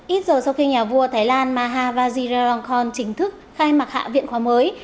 ít giờ sau khi nhà vua thái lan maha vajiralongkorn chính thức khai mặt hạ viện khóa mới